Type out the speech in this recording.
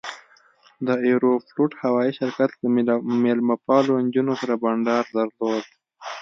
د ایروفلوټ هوایي شرکت له میلمه پالو نجونو سره بنډار درلود.